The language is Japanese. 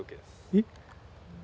えっ？